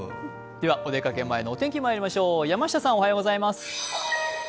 お出かけ前のお天気まいりましょう。